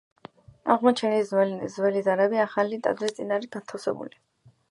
აღმოჩენილი ძველი ზარები ახალი ტაძრის წინ არის განთავსებული.